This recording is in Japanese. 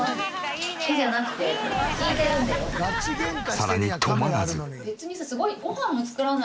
さらに止まらず。